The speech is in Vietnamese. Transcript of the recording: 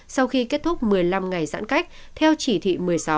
sau khi kết thúc một mươi năm ngày giãn cách theo chỉ thị một mươi sáu